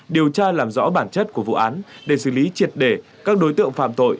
điều tra làm rõ bản chất của vụ án để xử lý triệt để các đối tượng phạm tội